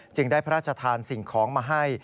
ได้พระราชทานสิ่งของมาให้